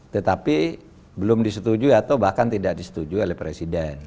tetapi belum disetujui atau bahkan tidak disetujui oleh presiden